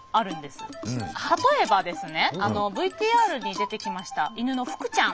例えばですねＶＴＲに出てきました犬のふくちゃん。